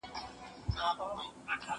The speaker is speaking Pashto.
زه مخکي سينه سپين کړی و!!